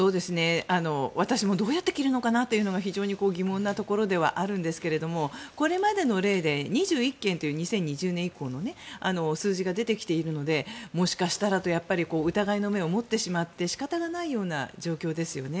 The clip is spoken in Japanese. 私もどうやって切るのかなというのが非常に疑問なところではあるんですがこれまでの例で２１件という２０２０年以降の数字が出てきているのでもしかしたらとやっぱり疑いの目を持ってしまっても仕方がないような状況ですよね。